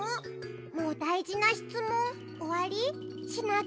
もうだいじなしつもんおわり？しなぎれ？